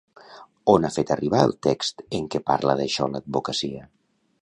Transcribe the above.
On ha fet arribar el text en què parla d'això l'advocacia?